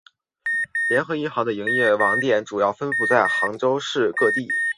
联合银行的营业网点主要分布在杭州市各地。